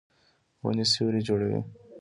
ونې سیوری جوړوي